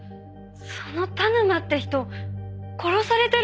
その田沼って人殺されてるんですよね？